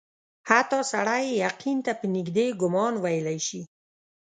حتی سړی یقین ته په نیژدې ګومان ویلای سي.